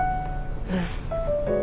うん。